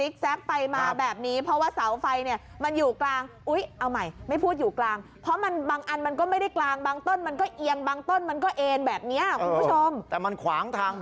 ครับอ่าไฟดังหลวนเพื่อครบสว่างด้วยสว่ายดีครับ